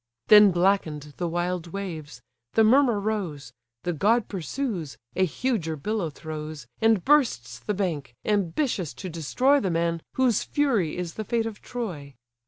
Then blacken'd the wild waves: the murmur rose: The god pursues, a huger billow throws, And bursts the bank, ambitious to destroy The man whose fury is the fate of Troy.